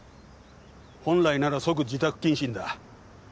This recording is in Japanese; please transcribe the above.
本来なら即自宅謹慎だ。